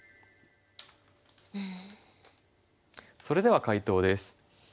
それでは解答です。